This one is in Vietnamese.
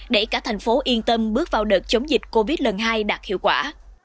để cả thành phố yên tâm bước vào đợt chống dịch covid lần hai đạt hiệu quả